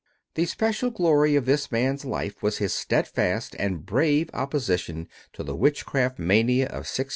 The special glory of this man's life was his steadfast and brave opposition to the witchcraft mania of 1692.